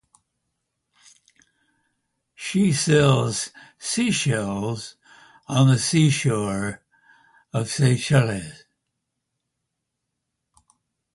She sells sea shells on the sea shore of Seychelles